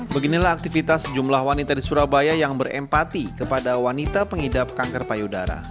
beginilah aktivitas sejumlah wanita di surabaya yang berempati kepada wanita pengidap kanker payudara